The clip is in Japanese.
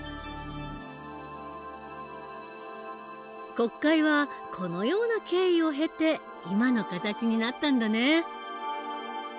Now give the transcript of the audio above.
国会はこのような経緯を経て今の形になったんだね。